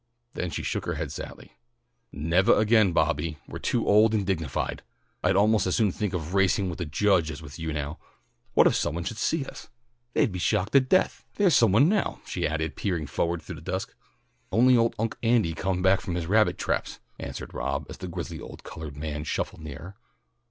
Then she shook her head sadly. "Nevah again, Bobby! We're too old and dignified. I'd almost as soon think of racing with the Judge as with you now. What if somebody should see us? They'd be shocked to death. There's some one now," she added, peering forward through the dusk. "Only old Unc' Andy coming back from his rabbit traps," answered Rob, as the grizzled old coloured man shuffled nearer.